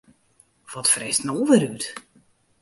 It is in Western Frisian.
Wat fretst no wer út?